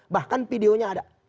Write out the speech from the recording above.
bahkan videonya ada